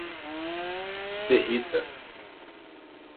Serrita